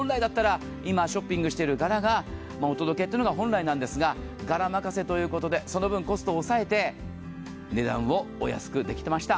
今、ショッピングしている柄がお届けというのが本来なんですが、柄任せということで、その分、コストを抑えて値段をお安くできました。